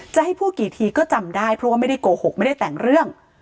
จะให้พูดกี่ทีก็จำได้เพราะว่าไม่ได้โกหกไม่ได้แต่งเรื่อง